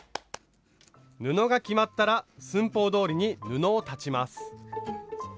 布が決まったら寸法どおりに布を裁ちます。